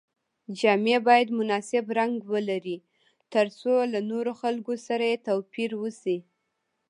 جامې باید مناسب رنګ ولري تر څو له نورو خلکو سره یې توپیر وشي.